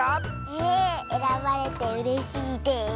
ええらばれてうれしいです。